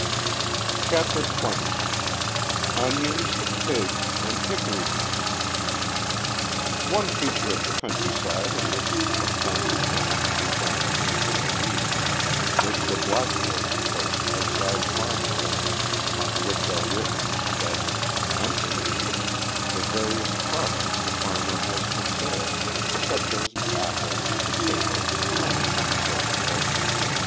CHAPTER XX ONIONS, PIGS AND HICKORY NUTS One feature of the countryside in which from time to time we found innocent amusement was the blackboards placed outside farmhouses, on which are written, that is, "annunciated," the various products the farmer has for sale, such as apples, potatoes, honey, and so forth.